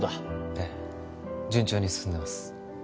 ええ順調に進んでます